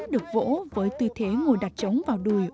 được vỗ với tư thế ngồi đặt trống vào đùi